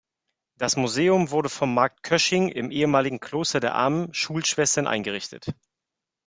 Das Museum wurde vom Markt Kösching im ehemaligen Kloster der Armen Schulschwestern eingerichtet.